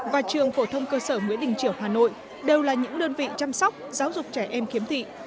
và trường phổ thông cơ sở nguyễn đình triều hà nội đều là những đơn vị chăm sóc giáo dục trẻ em khiếm thị